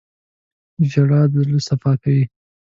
• ژړا د زړه صفا کوي.